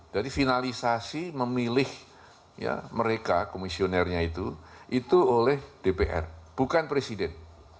jadi finalisasi memilih mereka komisionernya itu itu oleh dpr bukan presiden